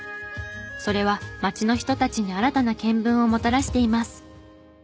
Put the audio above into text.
それは街の人たちに新たな見聞をもたらしています。